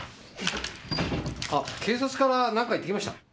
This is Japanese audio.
あ警察から何か言ってきました？